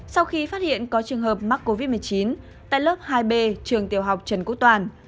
sau khi phát hiện có trường hợp mắc covid một mươi chín tại lớp hai b trường tiểu học trần quốc toàn